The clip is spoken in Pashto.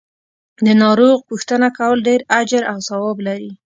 د ناروغ پو ښتنه کول ډیر اجر او ثواب لری .